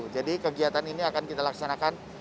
jadi kegiatan ini akan kita laksanakan